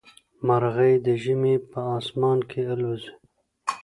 مرغۍ د ژمي په اسمان کې الوزي.